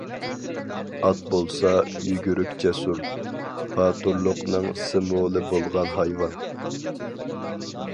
ئات بولسا، يۈگۈرۈك، جەسۇر، باتۇرلۇقنىڭ سىمۋولى بولغان ھايۋان.